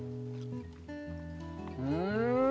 うん！